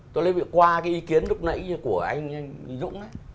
tôi lấy việc qua cái ý kiến lúc nãy của anh dũng ấy